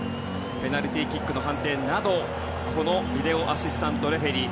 ペナルティーキックの判定などビデオアシスタントレフェリー